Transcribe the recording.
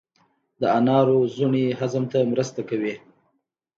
د انارو زړې هضم ته مرسته کوي.